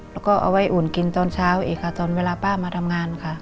แล้วก็เอาไว้อุ่นกินตอนเช้าอีกค่ะตอนเวลาป้ามาทำงานค่ะ